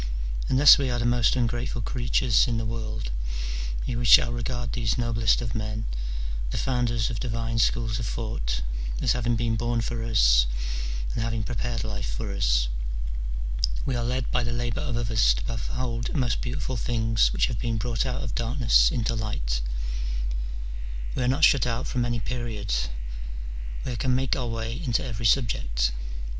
Unless we are the most ungrateful creatures in the world, we shall regard these noblest of men, the founders of divine schools of thought, as having been born for us, and having prepared life for us : we are led by the labour of others to behold most beautiful things which have been brought out of darkness into light : we are not shut out from any period, we can make our way into every subject, ^ See Smith's " Diet, of Antiquities." 310 MINOR DIALOGUES. [bK. X.